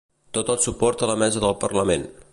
Tot el suport a la mesa del parlament.